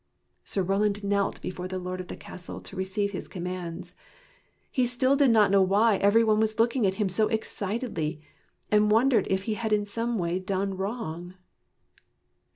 Sir Roland knelt before the lord of the castle to receive his commands. He still did not know why every one was looking at him so excitedly, and won dered if he had in some way done wrong.